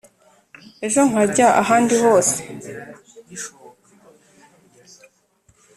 ejo nkajya ahandi hose